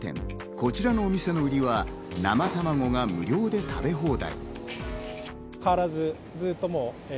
こちらのお店のウリは生玉子が無料で食べ放題。